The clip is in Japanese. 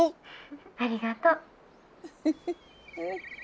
☎ありがとう。